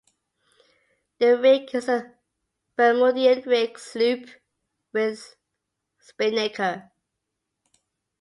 The rig is a Bermudian rig sloop with spinnaker.